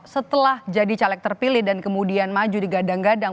setelah jadi caleg terpilih dan kemudian maju digadang gadang